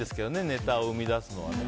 ネタを生み出すのはね。